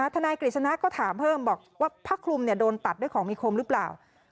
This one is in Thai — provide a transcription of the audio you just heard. นายกฤษณะก็ถามเพิ่มบอกว่าผ้าคลุมโดนตัดด้วยของมีคมหรือเปล่า